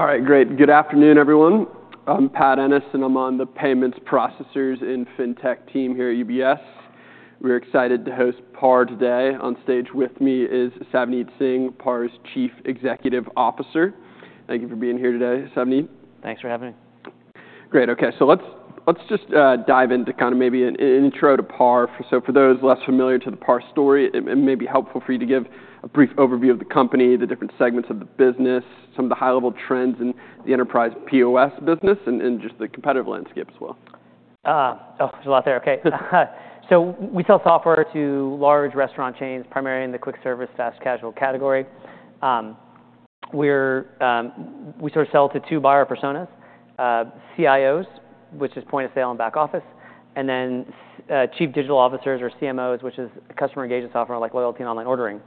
All right, great. Good afternoon, everyone. I'm Patrick Ennis, and I'm on the payments processors and fintech team here at UBS. We're excited to host PAR today. On stage with me is Savneet Singh, PAR's Chief Executive Officer. Thank you for being here today, Savneet. Thanks for having me. Great. OK, so let's just dive into kind of maybe an intro to PAR. So for those less familiar with the PAR story, it may be helpful for you to give a brief overview of the company, the different segments of the business, some of the high-level trends in the enterprise POS business, and just the competitive landscape as well. Oh, there's a lot there. OK. So we sell software to large restaurant chains, primarily in the quick service, fast casual category. We sort of sell to two buyer personas: CIOs, which is point of sale and back office, and then chief digital officers, or CMOs, which is customer engagement software like loyalty and online ordering.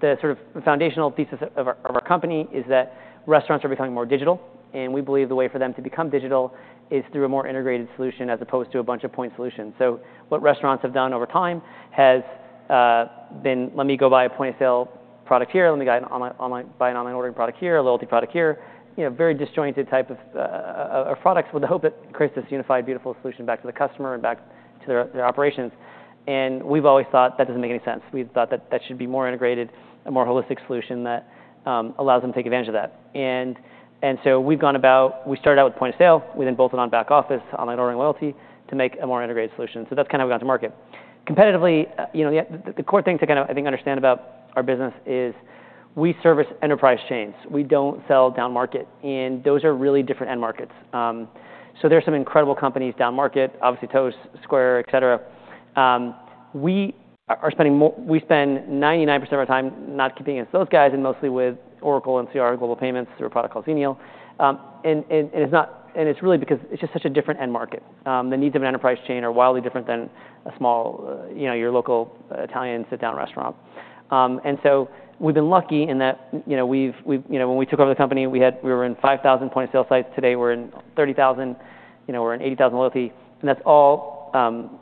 The sort of foundational thesis of our company is that restaurants are becoming more digital, and we believe the way for them to become digital is through a more integrated solution as opposed to a bunch of point solutions. So what restaurants have done over time has been, let me go buy a point-of-sale product here, let me buy an online ordering product here, a loyalty product here, very disjointed type of products with the hope that creates this unified, beautiful solution back to the customer and back to their operations. We've always thought that doesn't make any sense. We thought that that should be a more integrated, a more holistic solution that allows them to take advantage of that. We've gone about. We started out with point of sale. We then bolted on back office, online ordering, loyalty to make a more integrated solution. That's kind of how we got to market. Competitively, the core thing to kind of, I think, understand about our business is we service enterprise chains. We don't sell down market, and those are really different end markets. There are some incredible companies down market, obviously Toast, Square, et cetera. We are spending 99% of our time not competing against those guys, and mostly with Oracle and NCR Global Payments through a product called Xenial. It's really because it's just such a different end market. The needs of an enterprise chain are wildly different than a small, your local Italian sit-down restaurant. And so we've been lucky in that when we took over the company, we were in 5,000 point of sale sites. Today we're in 30,000. We're in 80,000 loyalty. And that's all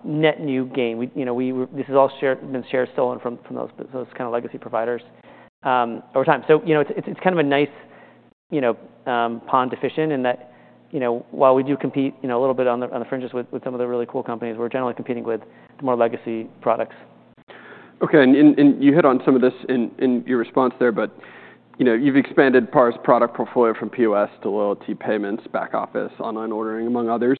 net new gain. This has all been share stolen from those kind of legacy providers over time. So it's kind of a nice pond to fish in, in that while we do compete a little bit on the fringes with some of the really cool companies, we're generally competing with more legacy products. OK, and you hit on some of this in your response there, but you've expanded PAR's product portfolio from POS to loyalty, payments, back office, online ordering, among others.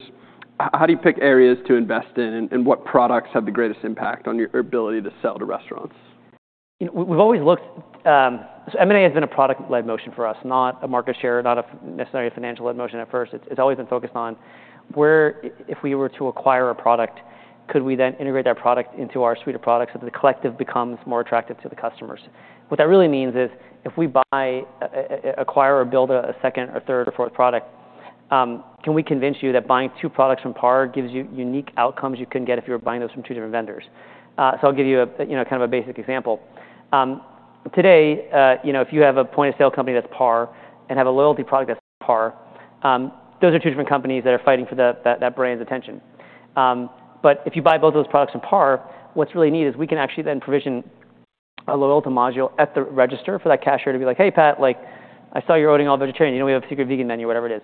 How do you pick areas to invest in, and what products have the greatest impact on your ability to sell to restaurants? We've always looked, so M&A has been a product-led motion for us, not a market share, not necessarily a financial-led motion at first. It's always been focused on where, if we were to acquire a product, could we then integrate that product into our suite of products so that the collective becomes more attractive to the customers? What that really means is if we buy, acquire, or build a second or third or fourth product, can we convince you that buying two products from PAR gives you unique outcomes you couldn't get if you were buying those from two different vendors? So I'll give you kind of a basic example. Today, if you have a point of sale company that's PAR and have a loyalty product that's not PAR, those are two different companies that are fighting for that brand's attention. But if you buy both of those products from PAR, what's really neat is we can actually then provision a loyalty module at the register for that cashier to be like, "Hey, Pat, I saw you're ordering all vegetarian. You know, we have a secret vegan menu," whatever it is.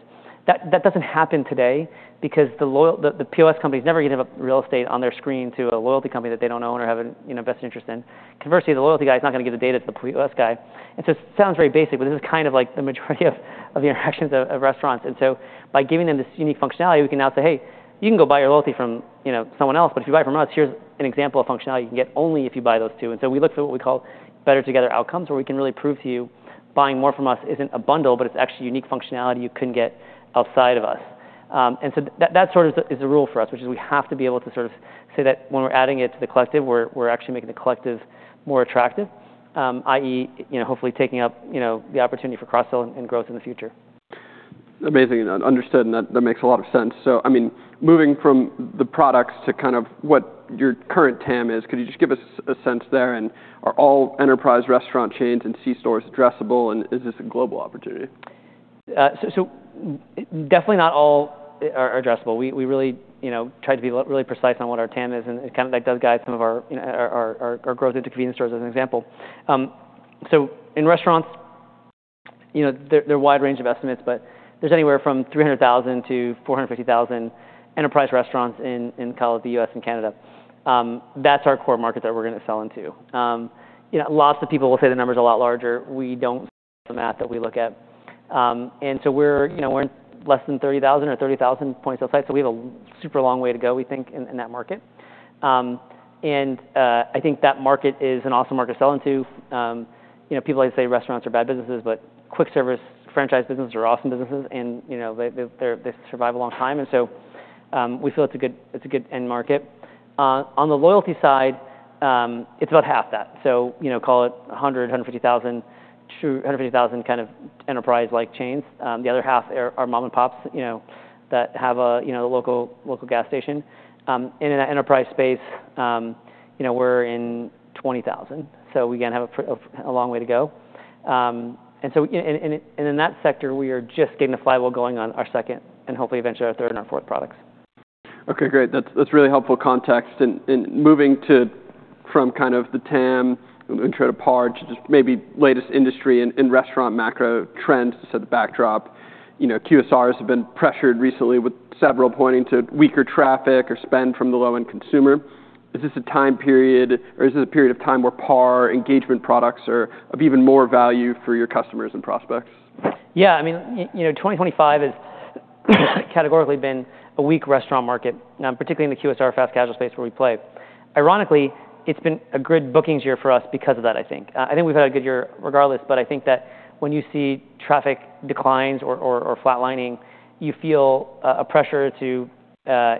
That doesn't happen today because the POS company is never going to have real estate on their screen to a loyalty company that they don't own or have an invested interest in. Conversely, the loyalty guy is not going to give the data to the POS guy. And so it sounds very basic, but this is kind of like the majority of the interactions of restaurants. And so by giving them this unique functionality, we can now say, "Hey, you can go buy your loyalty from someone else, but if you buy from us, here's an example of functionality you can get only if you buy those two." And so we look for what we call better together outcomes, where we can really prove to you buying more from us isn't a bundle, but it's actually unique functionality you couldn't get outside of us. And so that sort of is the rule for us, which is we have to be able to sort of say that when we're adding it to the collective, we're actually making the collective more attractive, i.e., hopefully taking up the opportunity for cross-sell and growth in the future. Amazing. Understood. And that makes a lot of sense. So I mean, moving from the products to kind of what your current TAM is, could you just give us a sense there? And are all enterprise restaurant chains and C-stores addressable? And is this a global opportunity? So definitely not all are addressable. We really tried to be really precise on what our TAM is, and that does guide some of our growth into convenience stores as an example. So in restaurants, there are a wide range of estimates, but there's anywhere from 300,000 to 450,000 enterprise restaurants in the U.S., and Canada. That's our core market that we're going to sell into. Lots of people will say the number is a lot larger. We don't see the math that we look at. And so we're in less than 30,000 or 30,000 point-of-sale sites, so we have a super long way to go, we think, in that market. And I think that market is an awesome market to sell into. People like to say restaurants are bad businesses, but quick service franchise businesses are awesome businesses, and they survive a long time. And so we feel it's a good end market. On the loyalty side, it's about half that. So call it 100,000-50,000 kind of enterprise-like chains. The other half are mom and pops that have a local gas station. And in that enterprise space, we're in 20,000. So we again have a long way to go. And so in that sector, we are just getting the flywheel going on our second and hopefully eventually our third and our fourth products. OK, great. That's really helpful context. And moving from kind of the TAM intro to PAR to just maybe latest industry and restaurant macro trends to set the backdrop, QSRs have been pressured recently with several pointing to weaker traffic or spend from the low-end consumer. Is this a time period, or is this a period of time where PAR engagement products are of even more value for your customers and prospects? Yeah, I mean, 2025 has categorically been a weak restaurant market, particularly in the QSR fast casual space where we play. Ironically, it's been a good bookings year for us because of that, I think. I think we've had a good year regardless, but I think that when you see traffic declines or flatlining, you feel a pressure to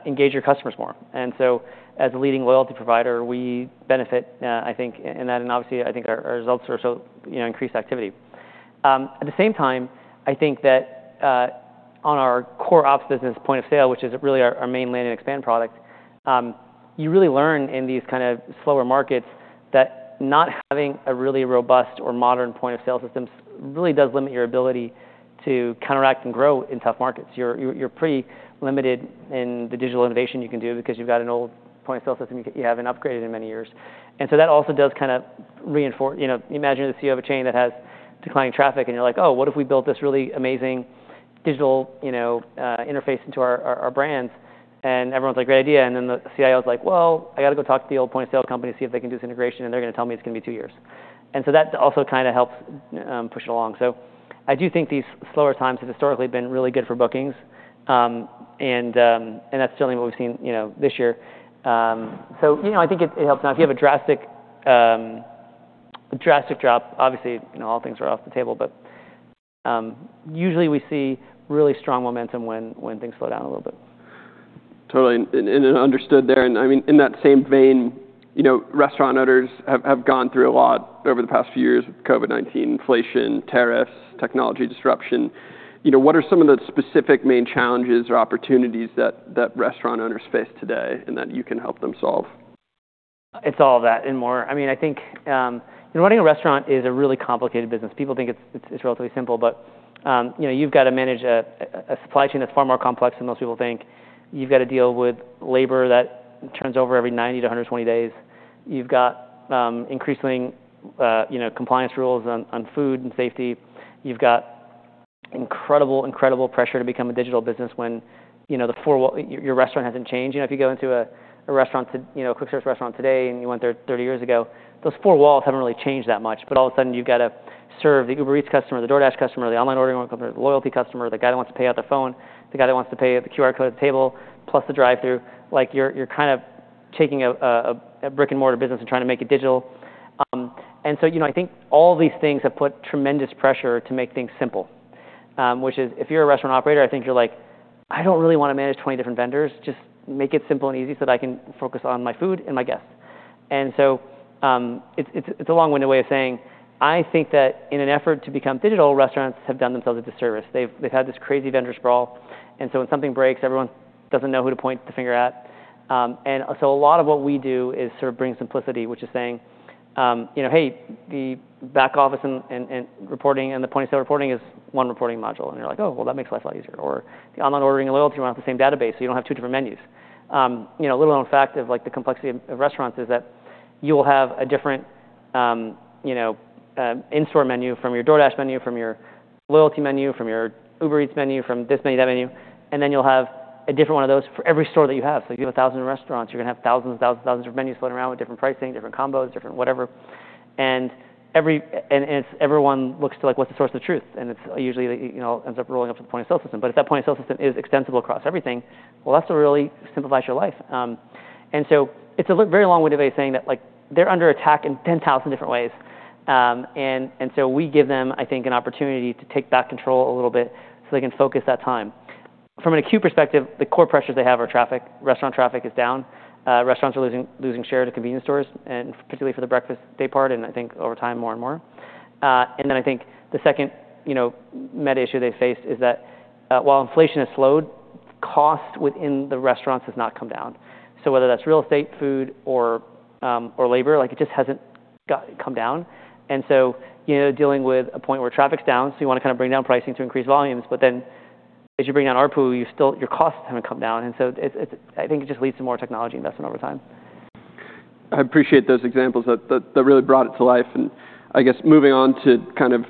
engage your customers more. And so as a leading loyalty provider, we benefit, I think, in that. And obviously, I think our results show increased activity. At the same time, I think that on our core ops business point of sale, which is really our main land and expand product, you really learn in these kind of slower markets that not having a really robust or modern point of sale system really does limit your ability to counteract and grow in tough markets. You're pretty limited in the digital innovation you can do because you've got an old point-of-sale system you haven't upgraded in many years, and so that also does kind of reinforce. Imagine the CEO of a chain that has declining traffic, and you're like, oh, what if we built this really amazing digital interface into our brands? And everyone's like, great idea, and then the CIO is like, well, I got to go talk to the old point-of-sale company to see if they can do some integration, and they're going to tell me it's going to be two years, and so that also kind of helps push it along, so I do think these slower times have historically been really good for bookings, and that's certainly what we've seen this year, so I think it helps now. If you have a drastic drop, obviously, all things are off the table, but usually we see really strong momentum when things slow down a little bit. Totally. And understood there. And I mean, in that same vein, restaurant owners have gone through a lot over the past few years with COVID-19, inflation, tariffs, technology disruption. What are some of the specific main challenges or opportunities that restaurant owners face today and that you can help them solve? It's all that and more. I mean, I think running a restaurant is a really complicated business. People think it's relatively simple, but you've got to manage a supply chain that's far more complex than most people think. You've got to deal with labor that turns over every 90 to 120 days. You've got increasing compliance rules on food and safety. You've got incredible, incredible pressure to become a digital business when your restaurant hasn't changed. If you go into a quick service restaurant today and you went there 30 years ago, those four walls haven't really changed that much. But all of a sudden, you've got to serve the Uber Eats customer, the DoorDash customer, the online ordering customer, the loyalty customer, the guy that wants to pay out the phone, the guy that wants to pay the QR code at the table, plus the drive-through. Like you're kind of taking a brick-and-mortar business and trying to make it digital. And so I think all these things have put tremendous pressure to make things simple, which is if you're a restaurant operator, I think you're like, I don't really want to manage 20 different vendors. Just make it simple and easy so that I can focus on my food and my guests. And so it's a long-winded way of saying, I think that in an effort to become digital, restaurants have done themselves a disservice. They've had this crazy vendor sprawl. And so when something breaks, everyone doesn't know who to point the finger at. And so a lot of what we do is sort of bring simplicity, which is saying, hey, the back office and reporting and the point of sale reporting is one reporting module. You're like, oh, well, that makes life a lot easier. The online ordering and loyalty, we're on the same database, so you don't have two different menus. Little known fact of the complexity of restaurants is that you will have a different in-store menu from your DoorDash menu, from your loyalty menu, from your Uber Eats menu, from this menu, that menu, and then you'll have a different one of those for every store that you have. So if you have 1,000 restaurants, you're going to have thousands and thousands and thousands of menus floating around with different pricing, different combos, different whatever. Everyone looks to what's the source of truth, and it usually ends up rolling up to the point of sale system. But if that point of sale system is extensible across everything, well, that really simplifies your life. It's a very long-winded way of saying that they're under attack in 10,000 different ways. We give them, I think, an opportunity to take back control a little bit so they can focus that time. From an acute perspective, the core pressures they have are traffic. Restaurant traffic is down. Restaurants are losing share to convenience stores, and particularly for the breakfast daypart, and I think over time more and more. The second meta issue they face is that while inflation has slowed, costs within the restaurants have not come down. Whether that's real estate, food, or labor, it just hasn't come down. You're dealing with a point where traffic's down, so you want to kind of bring down pricing to increase volumes. But then as you bring down ARPU, your costs haven't come down. I think it just leads to more technology investment over time. I appreciate those examples that really brought it to life. And I guess moving on to kind of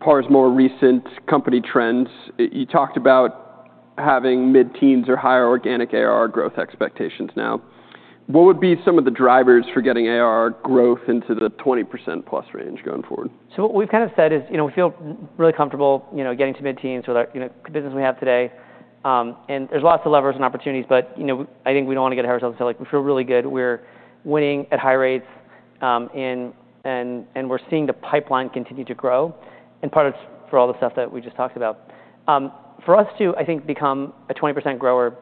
PAR's more recent company trends, you talked about having mid-teens or higher organic ARR growth expectations now. What would be some of the drivers for getting ARR growth into the 20% plus range going forward? So what we've kind of said is we feel really comfortable getting to mid-teens with our business we have today. And there's lots of levers and opportunities, but I think we don't want to get ahead of ourselves and say we feel really good. We're winning at high rates, and we're seeing the pipeline continue to grow. And part of it's for all the stuff that we just talked about. For us to, I think, become a 20% grower,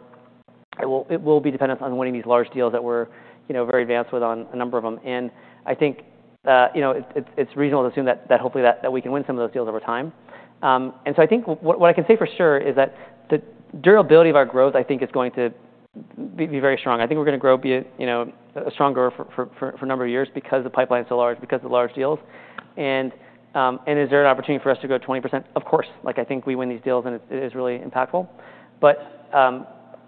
it will be dependent on winning these large deals that we're very advanced with on a number of them. And I think it's reasonable to assume that hopefully that we can win some of those deals over time. And so I think what I can say for sure is that the durability of our growth, I think, is going to be very strong. I think we're going to grow a strong growth for a number of years because the pipeline is so large, because of the large deals, and is there an opportunity for us to go 20%? Of course. I think we win these deals, and it is really impactful, but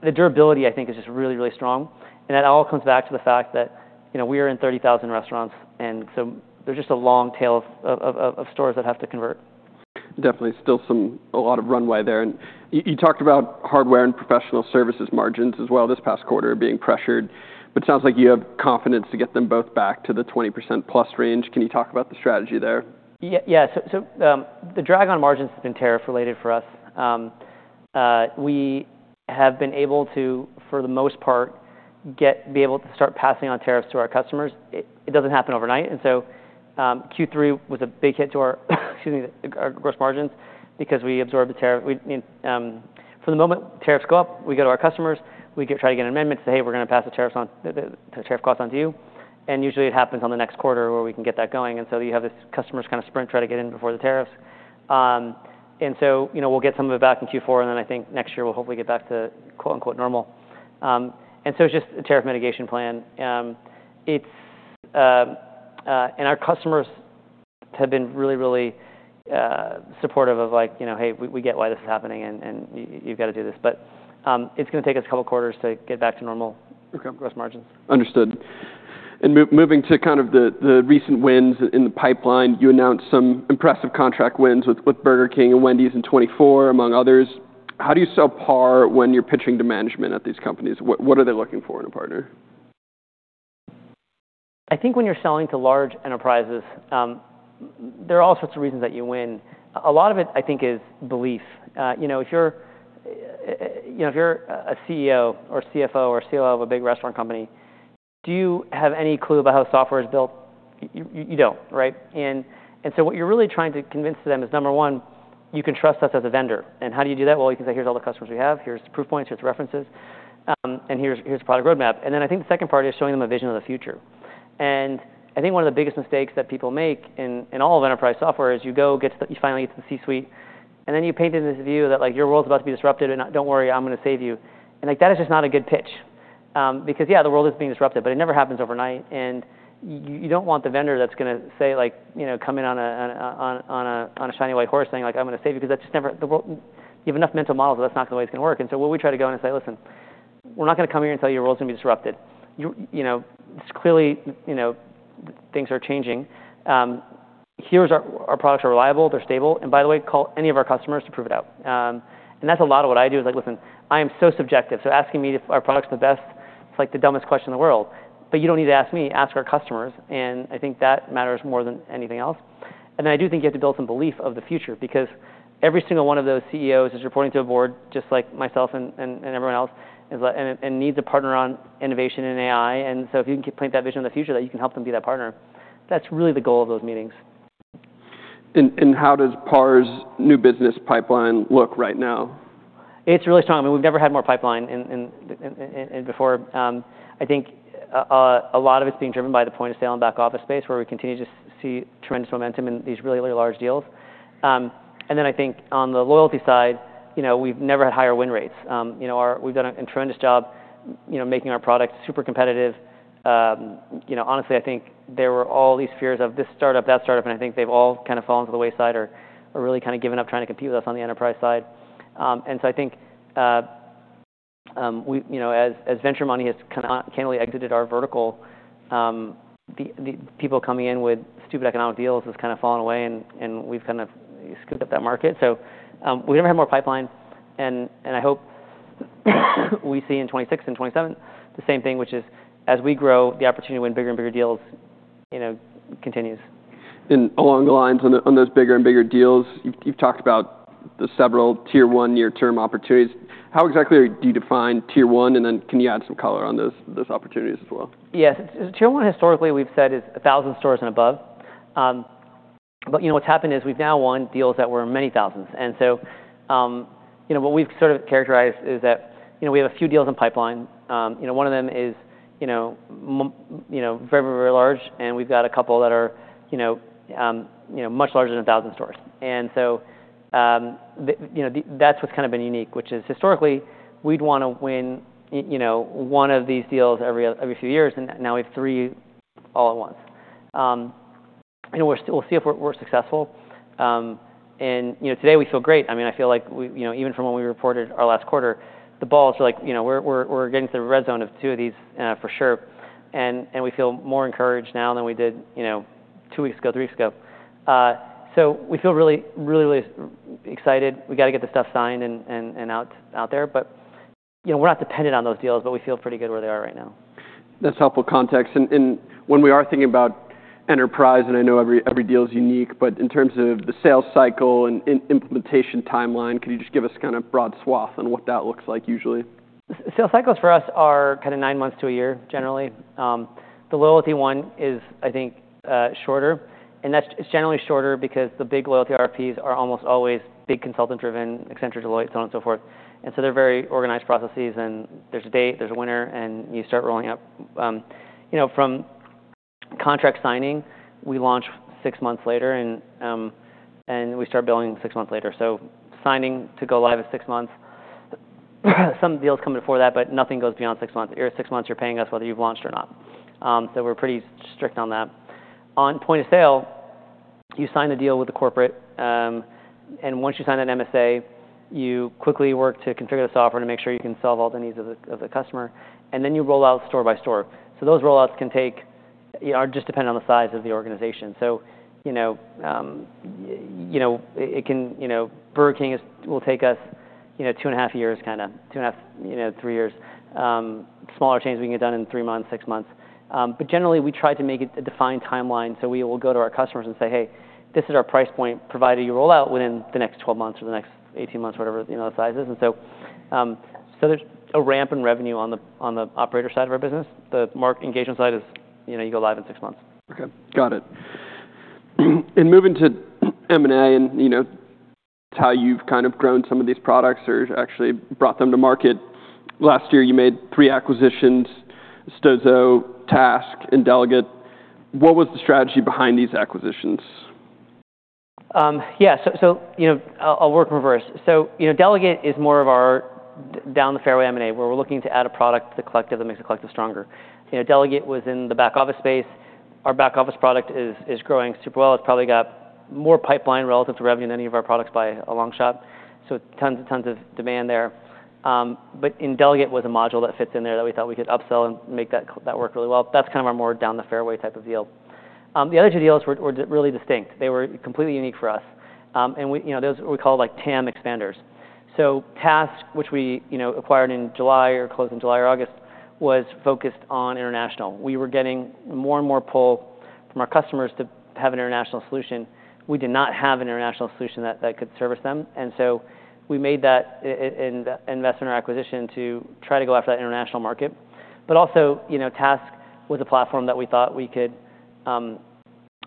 the durability, I think, is just really, really strong, and that all comes back to the fact that we are in 30,000 restaurants, and so there's just a long tail of stores that have to convert. Definitely. Still a lot of runway there. And you talked about hardware and professional services margins as well this past quarter being pressured, but it sounds like you have confidence to get them both back to the 20% plus range. Can you talk about the strategy there? Yeah. So the drag on margins has been tariff-related for us. We have been able to, for the most part, be able to start passing on tariffs to our customers. It doesn't happen overnight. And so Q3 was a big hit to our gross margins because we absorbed the tariff. From the moment tariffs go up, we go to our customers. We try to get an amendment to say, hey, we're going to pass the tariff cost onto you. And usually it happens on the next quarter where we can get that going. And so you have this customer's kind of sprint try to get in before the tariffs. And so we'll get some of it back in Q4, and then I think next year we'll hopefully get back to "normal." And so it's just a tariff mitigation plan. Our customers have been really, really supportive of like, hey, we get why this is happening, and you've got to do this. But it's going to take us a couple of quarters to get back to normal gross margins. Understood. And moving to kind of the recent wins in the pipeline, you announced some impressive contract wins with Burger King and Wendy's in 2024, among others. How do you sell PAR when you're pitching to management at these companies? What are they looking for in a partner? I think when you're selling to large enterprises, there are all sorts of reasons that you win. A lot of it, I think, is belief. If you're a CEO or CFO or COO of a big restaurant company, do you have any clue about how the software is built? You don't, right? And so what you're really trying to convince them is, number one, you can trust us as a vendor. And how do you do that? Well, you can say, here's all the customers we have. Here's proof points. Here's references. And here's a product roadmap. And then I think the second part is showing them a vision of the future. And I think one of the biggest mistakes that people make in all of enterprise software is you finally get to the C-suite, and then you paint in this view that your world's about to be disrupted, and don't worry, I'm going to save you. And that is just not a good pitch. Because yeah, the world is being disrupted, but it never happens overnight. And you don't want the vendor that's going to come in on a shiny white horse saying, I'm going to save you, because you have enough mental models that that's not the way it's going to work. And so what we try to go and say, listen, we're not going to come here and tell you your world's going to be disrupted. Clearly, things are changing. Our products are reliable. They're stable. And by the way, call any of our customers to prove it out. And that's a lot of what I do, is like, listen, I am so subjective. So asking me if our product's the best, it's like the dumbest question in the world. But you don't need to ask me. Ask our customers. And I think that matters more than anything else. And then I do think you have to build some belief of the future because every single one of those CEOs is reporting to a board just like myself and everyone else and needs a partner on innovation and AI. And so if you can paint that vision of the future that you can help them be that partner, that's really the goal of those meetings. How does PAR's new business pipeline look right now? It's really strong. I mean, we've never had more pipeline before. I think a lot of it's being driven by the point of sale and back office space where we continue to see tremendous momentum in these really, really large deals. And then I think on the loyalty side, we've never had higher win rates. We've done a tremendous job making our product super competitive. Honestly, I think there were all these fears of this startup, that startup, and I think they've all kind of fallen to the wayside or really kind of given up trying to compete with us on the enterprise side. And so I think as venture money has cannily exited our vertical, the people coming in with stupid economic deals has kind of fallen away, and we've kind of scooped up that market. So we never had more pipeline. I hope we see in 2026 and 2027 the same thing, which is as we grow, the opportunity to win bigger and bigger deals continues. And along the lines on those bigger and bigger deals, you've talked about the several Tier one, near-term opportunities. How exactly do you define tier one? And then can you add some color on those opportunities as well? Yes. Tier one, historically, we've said is 1,000 stores and above. But what's happened is we've now won deals that were many thousands. And so what we've sort of characterized is that we have a few deals in pipeline. One of them is very, very large, and we've got a couple that are much larger than 1,000 stores. And so that's what's kind of been unique, which is historically, we'd want to win one of these deals every few years, and now we have three all at once. We'll see if we're successful. And today we feel great. I mean, I feel like even from when we reported our last quarter, the ball's like, we're getting to the red zone of two of these for sure. And we feel more encouraged now than we did two weeks ago, three weeks ago. So we feel really, really, really excited. We got to get the stuff signed and out there. But we're not dependent on those deals, but we feel pretty good where they are right now. That's helpful context. When we are thinking about enterprise, and I know every deal is unique, but in terms of the sales cycle and implementation timeline, could you just give us kind of broad swath on what that looks like usually? Sales cycles for us are kind of nine months to a year, generally. The loyalty one is, I think, shorter. And that's generally shorter because the big loyalty RFPs are almost always big consultant-driven, Accenture, Deloitte, so on and so forth. And so they're very organized processes, and there's a date, there's a winner, and you start rolling up. From contract signing, we launch six months later, and we start billing six months later. So signing to go live is six months. Some deals come before that, but nothing goes beyond six months. Six months, you're paying us whether you've launched or not. So we're pretty strict on that. On point of sale, you sign the deal with the corporate. And once you sign that MSA, you quickly work to configure the software to make sure you can solve all the needs of the customer. And then you roll out store by store. So those rollouts can take. It just depends on the size of the organization. So Burger King will take us two and a half years, kind of two and a half, three years. Smaller chains we can get done in three months, six months. But generally, we try to make it a defined timeline. So we will go to our customers and say, hey, this is our price point, provided you roll out within the next 12 months or the next 18 months, whatever the size is. And so there's a ramp in revenue on the operator side of our business. The market engagement side is you go live in six months. Okay. Got it. And moving to M&A and how you've kind of grown some of these products or actually brought them to market. Last year, you made three acquisitions: Stuzo, Task, and Delegate. What was the strategy behind these acquisitions? Yeah. So I'll work in reverse. So Delegate is more of our down-the-fairway M&A where we're looking to add a product to the collective that makes the collective stronger. Delegate was in the back office space. Our back office product is growing super well. It's probably got more pipeline relative to revenue than any of our products by a long shot. So tons of demand there. But in Delegate was a module that fits in there that we thought we could upsell and make that work really well. That's kind of our more down-the-fairway type of deal. The other two deals were really distinct. They were completely unique for us. And those were called TAM expanders. So Task, which we acquired in July or closed in July or August, was focused on international. We were getting more and more pull from our customers to have an international solution. We did not have an international solution that could service them. We made that investment or acquisition to try to go after that international market. Task was a platform that we thought we could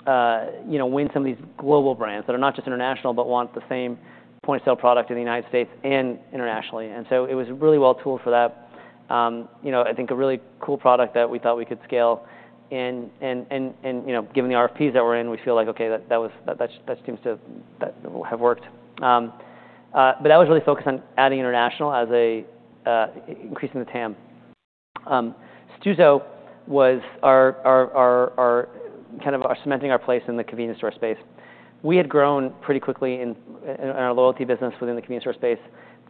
win some of these global brands that are not just international but want the same point of sale product in the United States and internationally. It was really well-tooled for that. I think a really cool product that we thought we could scale. Given the RFPs that were in, we feel like, okay, that seems to have worked. That was really focused on adding international as an increase in the TAM. Stuzo was kind of cementing our place in the convenience store space. We had grown pretty quickly in our loyalty business within the convenience store space.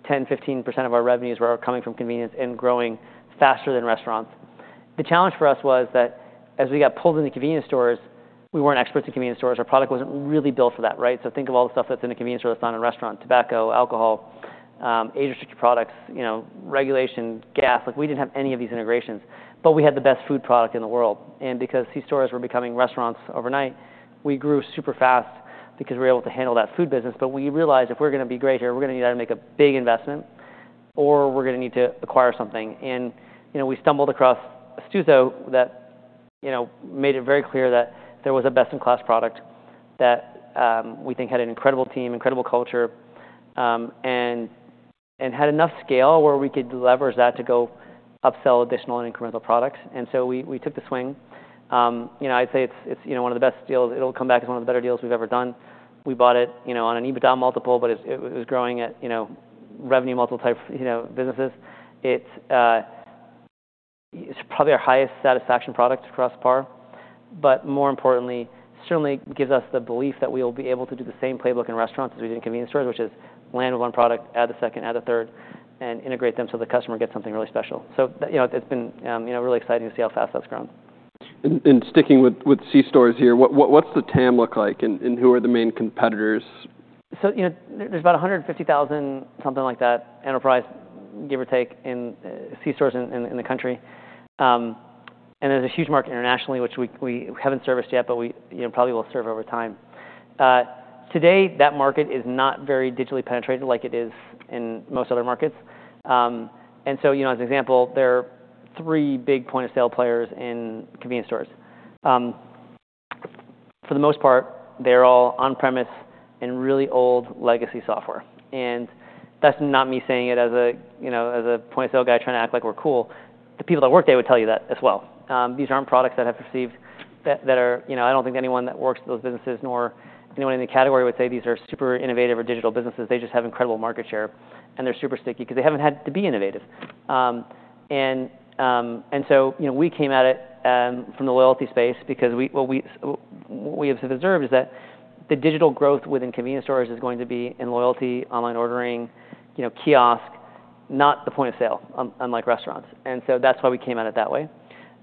10%, 15% of our revenues were coming from convenience and growing faster than restaurants. The challenge for us was that as we got pulled into convenience stores, we weren't experts in convenience stores. Our product wasn't really built for that, right? So think of all the stuff that's in a convenience store that's not in a restaurant: tobacco, alcohol, age-restricted products, regulation, gas. We didn't have any of these integrations. But we had the best food product in the world. And because these stores were becoming restaurants overnight, we grew super fast because we were able to handle that food business. But we realized if we're going to be great here, we're going to need to make a big investment, or we're going to need to acquire something. We stumbled across Stuzo that made it very clear that there was a best-in-class product that we think had an incredible team, incredible culture, and had enough scale where we could leverage that to go upsell additional and incremental products. So we took the swing. I'd say it's one of the best deals. It'll come back as one of the better deals we've ever done. We bought it on an EBITDA multiple, but it was growing at revenue multiple type businesses. It's probably our highest satisfaction product across PAR. But more importantly, certainly gives us the belief that we will be able to do the same playbook in restaurants as we did in convenience stores, which is land with one product, add the second, add the third, and integrate them so the customer gets something really special. So it's been really exciting to see how fast that's grown. Sticking with C-stores here, what's the TAM look like, and who are the main competitors? So there's about 150,000, something like that, enterprise, give or take, in C-stores in the country. And there's a huge market internationally, which we haven't serviced yet, but we probably will serve over time. Today, that market is not very digitally penetrated like it is in most other markets. And so as an example, there are three big point of sale players in convenience stores. For the most part, they're all on-premise and really old legacy software. And that's not me saying it as a point of sale guy trying to act like we're cool. The people that work there would tell you that as well. These aren't products that have received that I don't think anyone that works at those businesses nor anyone in the category would say these are super innovative or digital businesses. They just have incredible market share, and they're super sticky because they haven't had to be innovative, and so we came at it from the loyalty space because what we have observed is that the digital growth within convenience stores is going to be in loyalty, online ordering, kiosk, not the point of sale, unlike restaurants, and so that's why we came at it that way,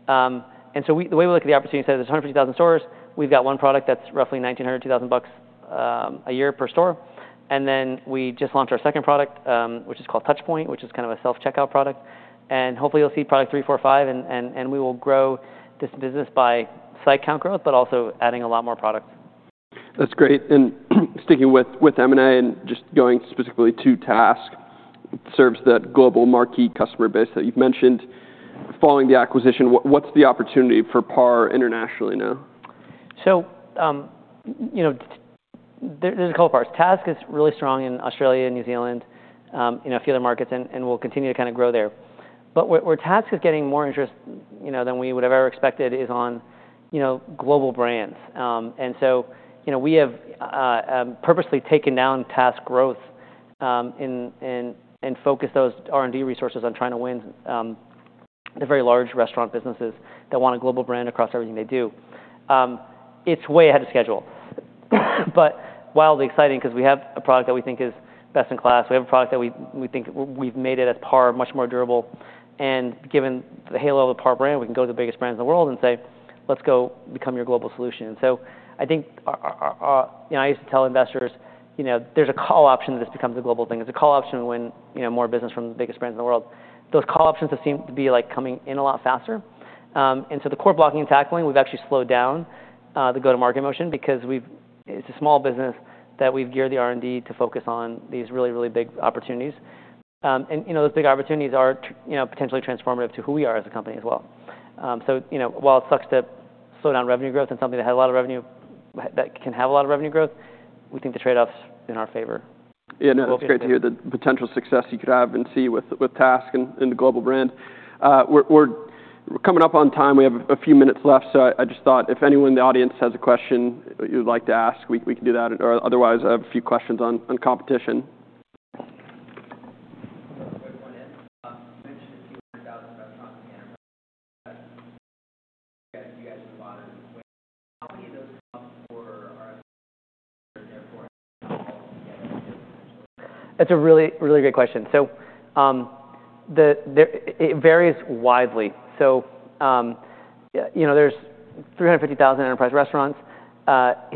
and so the way we look at the opportunity is that there's 150,000 stores. We've got one product that's roughly $1,900-$2,000 a year per store, and then we just launched our second product, which is called Touchpoint, which is kind of a self-checkout product, and hopefully, you'll see product three, four, five, and we will grow this business by site count growth, but also adding a lot more products. That's great. And sticking with M&A and just going specifically to Task, it serves that global marquee customer base that you've mentioned. Following the acquisition, what's the opportunity for PAR internationally now? There’s a couple of parts. Task is really strong in Australia and New Zealand, a few other markets, and we’ll continue to kind of grow there. But where Task is getting more interest than we would have ever expected is on global brands. We have purposely taken down Task growth and focused those R&D resources on trying to win the very large restaurant businesses that want a global brand across everything they do. It’s way ahead of schedule, but wildly exciting because we have a product that we think is best in class. We have a product that we think we’ve made it as PAR much more durable. Given the halo of the PAR brand, we can go to the biggest brands in the world and say, "Let's go become your global solution." So I think I used to tell investors, "There's a call option that this becomes a global thing. There's a call option to win more business from the biggest brands in the world." Those call options have seemed to be coming in a lot faster. So the core blocking and tackling, we've actually slowed down the go-to-market motion because it's a small business that we've geared the R&D to focus on these really, really big opportunities. And those big opportunities are potentially transformative to who we are as a company as well. So, while it sucks to slow down revenue growth and something that had a lot of revenue that can have a lot of revenue growth, we think the trade-offs are in our favor. Yeah. No, that's great to hear the potential success you could have and see with Task and the global brand. We're coming up on time. We have a few minutes left. So I just thought if anyone in the audience has a question you'd like to ask, we can do that. Otherwise, I have a few questions on competition. You mentioned a few hundred thousand restaurants in Canada. You guys have a lot of. How many of those come up for R&D and therefore all together? That's a really, really great question. So it varies widely. So there's 350,000 enterprise restaurants.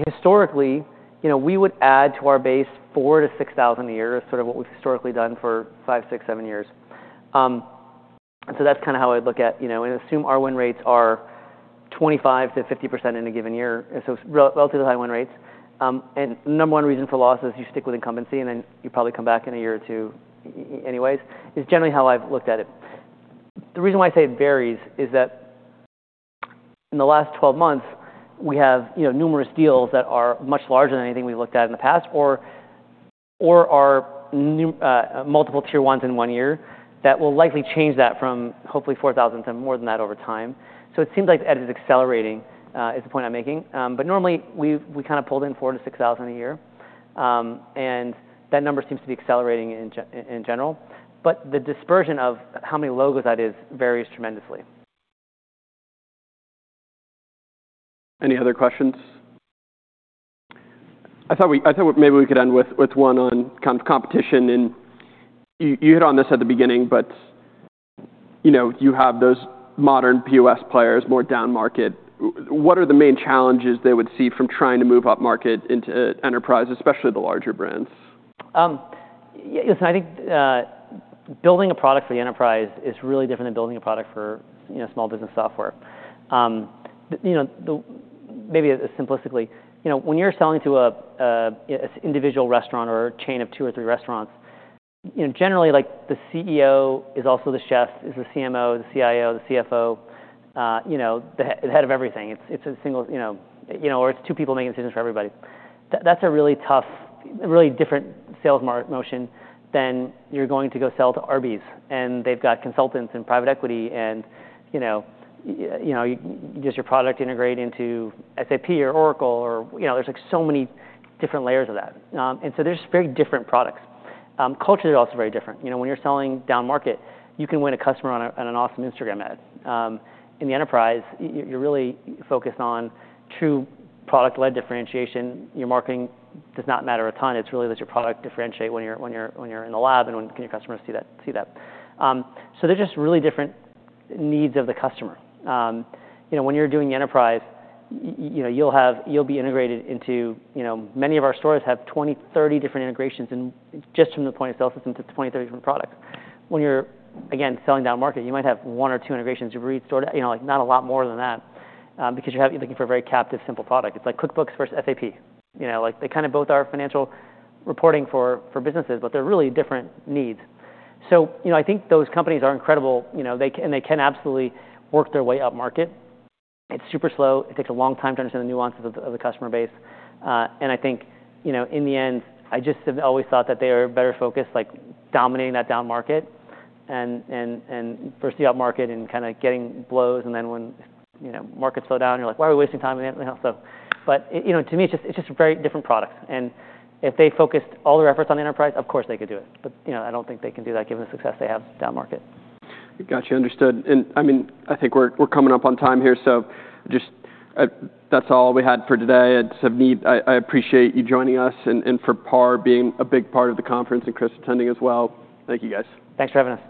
Historically, we would add to our base four to six thousand a year, sort of what we've historically done for five, six, seven years. And so that's kind of how I'd look at it. And assume our win rates are 25%-50% in a given year. So relatively high win rates. And the number one reason for loss is you stick with incumbency, and then you probably come back in a year or two anyways, is generally how I've looked at it. The reason why I say it varies is that in the last 12 months, we have numerous deals that are much larger than anything we've looked at in the past or are multiple tier ones in one year that will likely change that from hopefully 4,000 to more than that over time. So, it seems like it is accelerating, is the point I'm making. But normally, we kind of pulled in four to six thousand a year. And that number seems to be accelerating in general. But the dispersion of how many logos that is varies tremendously. Any other questions? I thought maybe we could end with one on kind of competition, and you hit on this at the beginning, but you have those modern POS players, more down-market. What are the main challenges they would see from trying to move up-market into enterprise, especially the larger brands? Listen, I think building a product for the enterprise is really different than building a product for small business software. Maybe simplistically, when you're selling to an individual restaurant or a chain of two or three restaurants, generally, the CEO is also the chef, is the CMO, the CIO, the CFO, the head of everything. It's a single or it's two people making decisions for everybody. That's a really tough, really different sales motion than you're going to go sell to Arby's, and they've got consultants and private equity and just your product integrating to SAP or Oracle. There's so many different layers of that. And so there's very different products. Cultures are also very different. When you're selling down-market, you can win a customer on an awesome Instagram ad. In the enterprise, you're really focused on true product-led differentiation. Your marketing does not matter a ton. It's really that your product differentiates when you're in the lab and when can your customers see that. So they're just really different needs of the customer. When you're doing enterprise, you'll be integrated into many of our stores have 20-30 different integrations just from the point of sale system to 20-30 different products. When you're, again, selling down-market, you might have one or two integrations to Breeze store, not a lot more than that because you're looking for a very captive, simple product. It's like QuickBooks versus SAP. They kind of both are financial reporting for businesses, but they're really different needs. So I think those companies are incredible, and they can absolutely work their way up-market. It's super slow. It takes a long time to understand the nuances of the customer base. And I think in the end, I just have always thought that they are better focused on dominating that down-market and bursting up-market and kind of getting blows. And then when markets slow down, you're like, "Why are we wasting time?" But to me, it's just very different products. And if they focused all their efforts on enterprise, of course, they could do it. But I don't think they can do that given the success they have down-market. Gotcha. Understood, and I mean, I think we're coming up on time here, so that's all we had for today. I appreciate you joining us and for PAR being a big part of the conference and Chris attending as well. Thank you, guys. Thanks for having us.